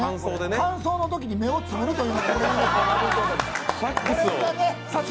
間奏のときに目をつぶるという。